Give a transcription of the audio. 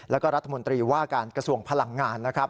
แล้วก็รัฐมนตรีว่าการกระทรวงพลังงานนะครับ